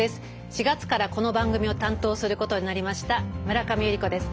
４月からこの番組を担当することになりました村上由利子です。